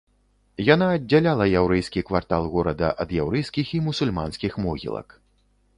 Яна аддзяляла яўрэйскі квартал горада ад яўрэйскіх і мусульманскіх могілак.